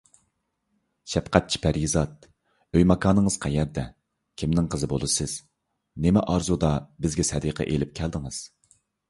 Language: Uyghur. شەپقەتچى پەرىزات، ئۆي - ماكانىڭىز قەيەردە؟ كىمنىڭ قىزى بولىسىز؟ نېمە ئارزۇدا بىزگە سەدىقە ئېلىپ كەلدىڭىز؟